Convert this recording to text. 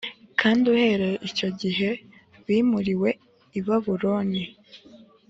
, kandi uhereye icyo gihe bimuriwe i Babuloni